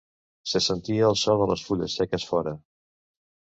Se sentia el so de les fulles seques fora.